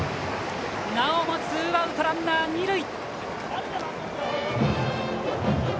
なおもツーアウトランナー、二塁！